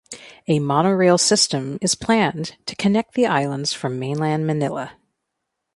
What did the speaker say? A monorail system is planned to connect the islands from mainland Manila.